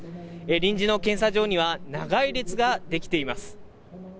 臨時の検査場には、長い列が出来ています。